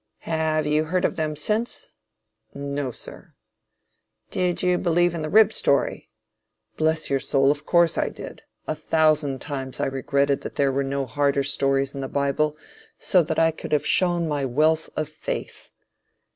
Have you heard of them since? No sir. Did you believe in the rib story? Bless your soul, of course I did. A thousand times I regretted that there were no harder stories in the bible, so that I could have shown my wealth of faith.